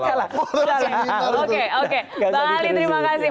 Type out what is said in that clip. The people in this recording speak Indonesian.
bang ali terima kasih